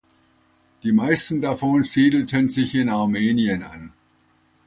Die meisten davon siedelten sich in Armenien an.